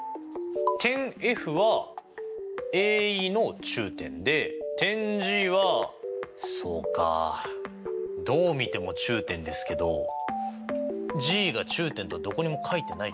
点ＦはＡＥの中点で点Ｇはそうかどう見ても中点ですけどＧが中点とはどこにも書いてないですね。